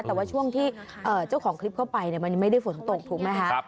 แต่ว่าช่วงที่เจ้าของคลิปเข้าไปมันยังไม่ได้ฝนตกถูกไหมคะ